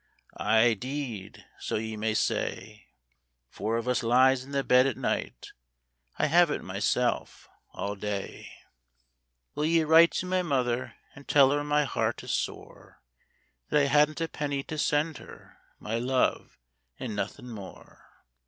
Aye, deed, so ye may say ! Four of us lies in the bed at night, I have it myself all day. THE FACTORY GIRL 77 Will ye write to my mother an' tell her my heart is sore That I hadn't a penny to send her — my love, an' nothin' more.